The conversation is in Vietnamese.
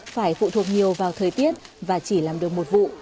phải phụ thuộc nhiều vào thời tiết và chỉ làm được một vụ